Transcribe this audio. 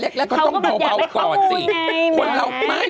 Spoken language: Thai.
เขาก็อยากมาคุยไง